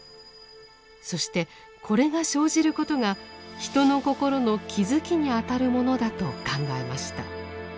そしてこれが生じることが人の心の「気づき」にあたるものだと考えました。